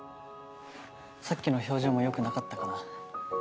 さっきの表情もよくなかったかな？